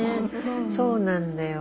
そうなんだよ。